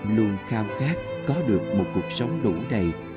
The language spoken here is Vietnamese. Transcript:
luôn khao khát có được một cuộc sống đủ đầy